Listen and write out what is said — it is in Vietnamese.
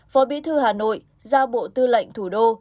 phó bí thư hà nội giao bộ tư lệnh thủ đô